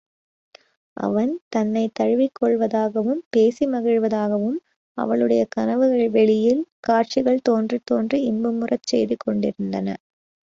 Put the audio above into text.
அவன் தன்னைத் தழுவிக் கொள்வதாகவும் பேசி மகிழ்வதாகவும் அவளுடைய கனவுவெளியில் காட்சிகள் தோன்றித் தோன்றி இன்பமுறச் செய்து கொண்டிருந்தன.